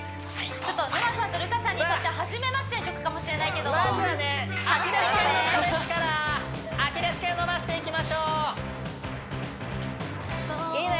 ちょっと沼ちゃんと瑠香ちゃんにとっては初めましての曲かもしれないけどまずはねアキレス腱のストレッチからアキレス腱伸ばしていきましょういいね